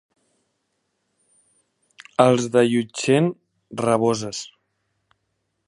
Els de Llutxent, raboses.